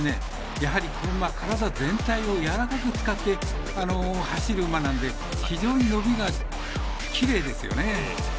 やはりこの馬、体全体を使って走る馬なんで非常に伸びがきれいですよね。